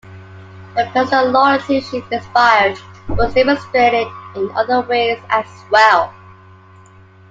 The personal loyalty she inspired was demonstrated in other ways as well.